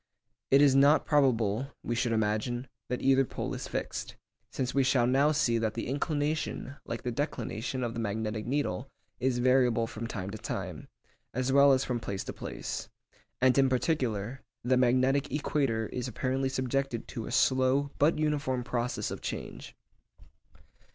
It is not probable, we should imagine, that either pole is fixed, since we shall now see that the inclination, like the declination of the magnetic needle, is variable from time to time, as well as from place to place; and in particular, the magnetic equator is apparently subjected to a slow but uniform process of change.